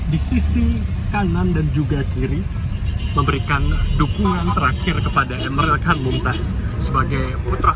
di sisi kanan dan juga kiri memberikan dukungan terakhir kepada emeril khan mumtaz sebagai putra